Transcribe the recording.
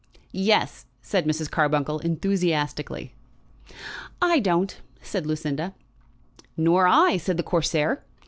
"Yes," said Mrs. Carbuncle enthusiastically. "I don't," said Lucinda. "Nor I," said the Corsair.